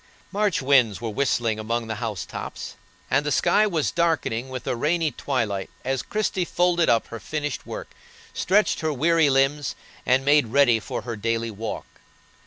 March winds were whistling among the house tops, and the sky was darkening with a rainy twilight as Christie folded up her finished work, stretched her weary limbs, and made ready for her daily walk.